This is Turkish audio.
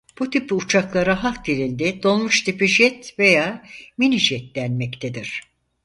Bu tip uçaklara halk dilinde Dolmuş tipi jet veya Minijet denmektedir.